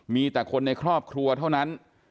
มีแต่คนในครอบครัวเท่านั้น